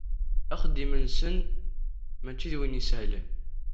Axeddim-nsen mačči d win isehlen